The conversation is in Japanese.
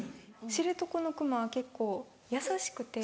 知床の熊は結構優しくて。